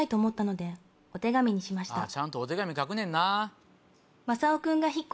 ちゃんとお手紙書くねんな。